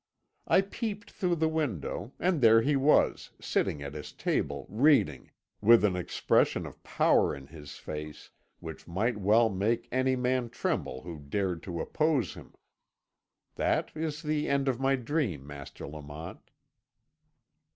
I peeped through the window, and there he was, sitting at his table reading, with an expression of power in his face which might well make any man tremble who dared to oppose him. That is the end of my dream, Master Lamont."